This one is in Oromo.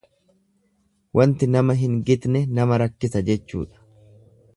Wanti nama hin gitne nama rakkisa jechuudha.